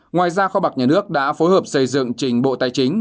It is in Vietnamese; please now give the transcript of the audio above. ngoài ra kho bạc nhà nước đã phối hợp xây dựng trình bộ tài chính